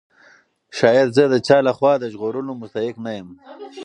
شاید زه د چا له خوا د ژغورلو مستحق نه یم.